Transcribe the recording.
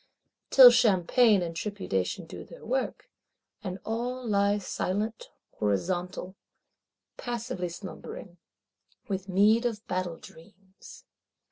Till champagne and tripudiation do their work; and all lie silent, horizontal; passively slumbering, with meed of battle dreams!